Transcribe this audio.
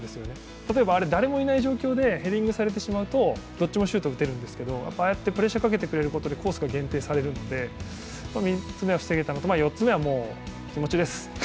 例えば、誰もいない状況でヘディングされてしまうとどちらにもシュート打てるんですけどああやってプレッシャーかけてくれることでコースが限定されるので３つ目は防げたのと、４つ目は気持ちです。